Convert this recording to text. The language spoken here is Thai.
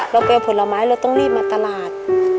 เราไปเอาผลไม้เราต้องรีบมาตลาด